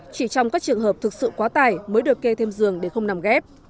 chỉ trong các trường hợp thực sự quá tải mới được kê thêm giường để không nằm ghép